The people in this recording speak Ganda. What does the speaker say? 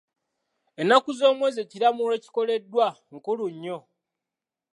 Ennaku z'omwezi ekiraamo lwe kikoleddwa nkulu nnyo.